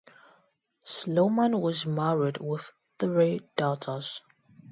Sloman was married with three daughters.